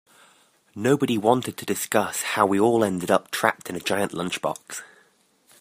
Nobody wanted to discuss how we all ended up trapped in a giant lunchbox.